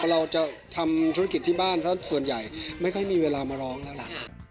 เราจะทำธุรกิจที่บ้านซะส่วนใหญ่ไม่ค่อยมีเวลามาร้องแล้วล่ะ